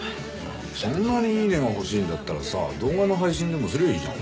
そんなにいいねが欲しいんだったらさ動画の配信でもすりゃあいいじゃん。